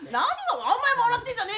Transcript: お前も笑ってんじゃねえよ！